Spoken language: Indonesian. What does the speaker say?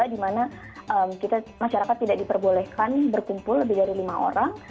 dimana masyarakat tidak diperbolehkan berkumpul lebih dari lima orang